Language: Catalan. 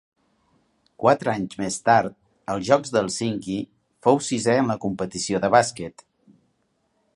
Quatre anys més tard, als Jocs de Hèlsinki, fou sisè en la competició de bàsquet.